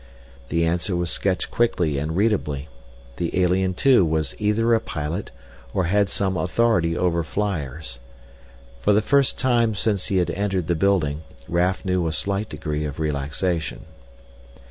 The answer was sketched quickly and readably: the alien, too, was either a pilot or had some authority over flyers. For the first time since he had entered this building, Raf knew a slight degree of relaxation.